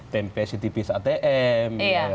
pempesi tipis atm